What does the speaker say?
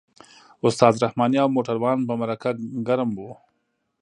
استاد رحماني او موټروان په مرکه ګرم وو.